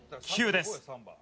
９です。